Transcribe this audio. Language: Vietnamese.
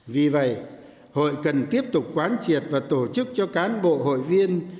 vì vậy hội cần tiếp tục quán triệt và tổ chức cho cán bộ hội viên